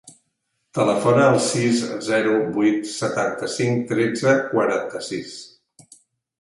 Telefona al sis, zero, vuit, setanta-cinc, tretze, quaranta-sis.